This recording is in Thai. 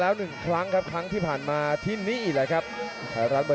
วันนี้ได้น้ำหนักครับ